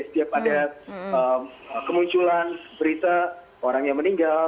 setiap ada kemunculan berita orang yang meninggal